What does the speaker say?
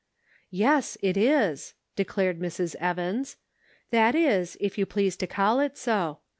" Yes it is," declared Mrs. Evans ;" that is, if you please to call it so.